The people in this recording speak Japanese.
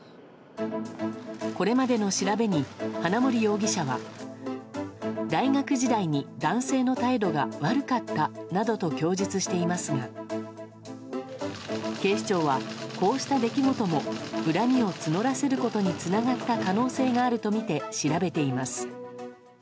これまでに調べに、花森容疑者は大学時代に男性の態度が悪かったなどと供述していますが警視庁は、こうした出来事も恨みを募らせることにつながった可能性があるとみて調べています。